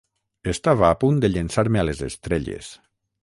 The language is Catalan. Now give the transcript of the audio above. Estava a punt de llençar-me a les estrelles.